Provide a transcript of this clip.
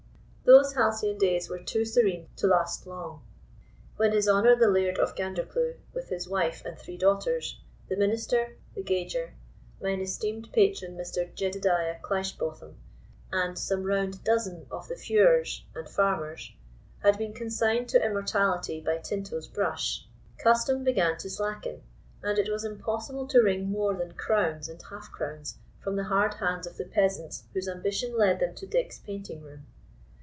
Those halcyon days were too serene to last long. When his honour the Laird of Gandercleugh, with his wife and three daughters, the minister, the gauger, mine esteemed patron Mr. Jedediah Cleishbotham, and some round dozen of the feuars and farmers, had been consigned to immortality by Tinto's brush, custom began to slacken, and it was impossible to wring more than crowns and half crowns from the hard hands of the peasants whose ambition led them to Dick's painting room.